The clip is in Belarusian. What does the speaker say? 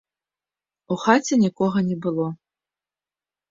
У хаце нікога не было.